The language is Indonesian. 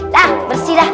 dah bersih dah